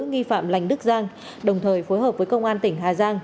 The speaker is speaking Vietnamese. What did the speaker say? nghi phạm lành đức giang